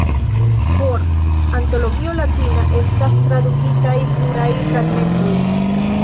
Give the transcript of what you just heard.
Por Antologio Latina estas tradukitaj pluraj fragmentoj.